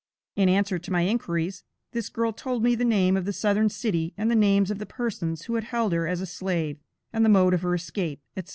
In answer to my inquiries, this girl told me the name of the southern city, and the names of the persons who had held her as a slave, and the mode of her escape, etc.